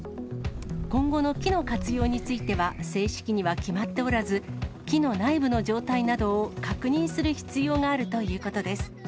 今後の木の活用については、正式には決まっておらず、木の内部の状態などを確認する必要があるということです。